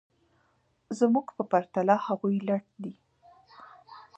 زموږ په پرتله هغوی لټ دي